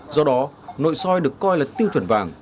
do đó nội soi được coi là tiêu chuẩn vàng